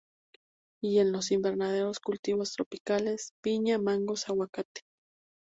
Y en los invernaderos cultivos tropicales: piña, mangos, aguacate.